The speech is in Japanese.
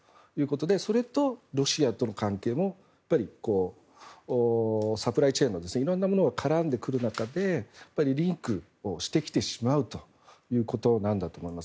それとロシアとの関係もサプライチェーンいろんなものが絡んでくる中でリンクしてきてしまうというところなんだと思います。